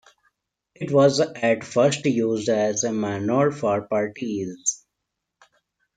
It was at first used as a manor for parties.